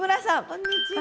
こんにちは。